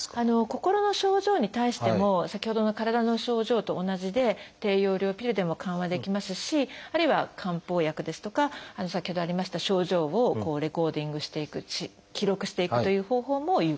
心の症状に対しても先ほどの体の症状と同じで低用量ピルでも緩和できますしあるいは漢方薬ですとか先ほどありました症状をレコーディングしていく記録していくという方法も有効です。